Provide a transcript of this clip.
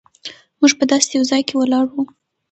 موږ په داسې یو ځای کې ولاړ وو.